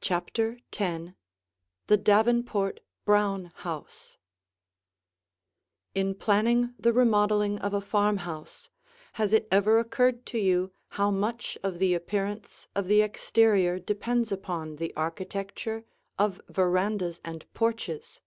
CHAPTER X THE DAVENPORT BROWN HOUSE In planning the remodeling of a farmhouse, has it ever occurred to you how much of the appearance of the exterior depends upon the architecture of verandas and porches?